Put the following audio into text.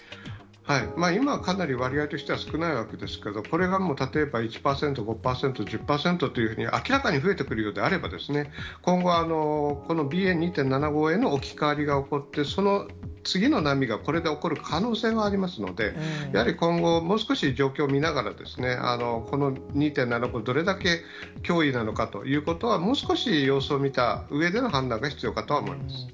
今、かなり割合としては少ないわけですけれども、これが例えば１％、５％、１０％というふうに明らかに増えてくるようであれば、今後、このＢＡ．２．７５への置き換わりが起こって、その次の波が、これで起こる可能性がありますので、やはり今後もう少し状況を見ながら、この２．７５、どれだけ脅威なのかということは、もう少し様子を見たうえでの判断が必要かとは思います。